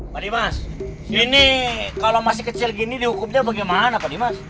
pak dimas ini kalau masih kecil gini dihukumnya bagaimana pak dimas